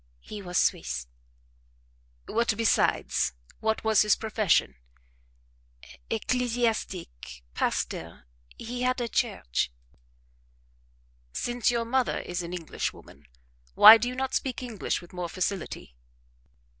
"He was Swiss." "What besides? What was his profession?" "Ecclesiastic pastor he had a church." "Since your mother is an Englishwoman, why do you not speak English with more facility?"